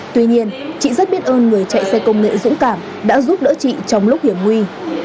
tuy nhiên chị rất biết ơn người chạy xe công nghệ dũng cảm đã giúp đỡ chị trong lúc hiểm nguy